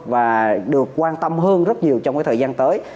và được quan tâm hơn rất nhiều trong cái thời gian tới